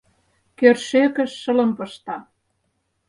Кӧршӧкыш шылым пышта.